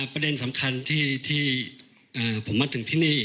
ประเด็นสำคัญที่ผมมาถึงที่นี่